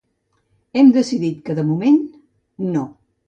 Hem decidit que de moment No.